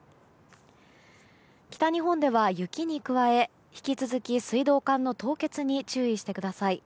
北日本では、雪に加え引き続き水道管の凍結に注意してください。